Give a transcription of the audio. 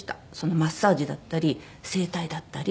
マッサージだったり整体だったり。